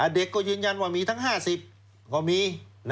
เด็กก็ยืนยันว่ามีทั้ง๕๐ก็มี